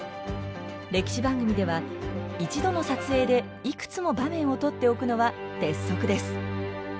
歴史番組では一度の撮影でいくつも場面を撮っておくのは鉄則です。